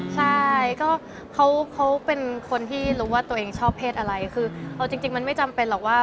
ใช่ก็เขาเป็นคนที่รู้ว่าตัวเองชอบเพศอะไรคือเอาจริงมันไม่จำเป็นหรอกว่า